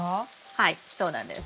はいそうなんです。